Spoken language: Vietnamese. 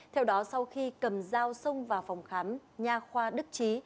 theo đó sau khi cầm dao xông vào phòng khám nhà khoa đức trí